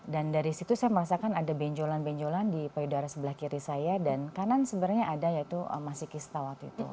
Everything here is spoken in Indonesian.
dan dari situ saya merasakan ada benjolan benjolan di payudara sebelah kiri saya dan kanan sebenarnya ada yaitu masih kista waktu itu